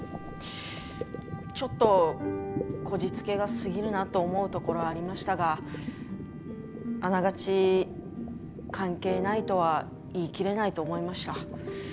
ちょっとこじつけが過ぎるなと思うところはありましたがあながち関係ないとは言い切れないと思いました。